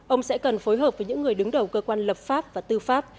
ông sẽ cần phối hợp với những người đứng đầu cơ quan lập pháp và tư pháp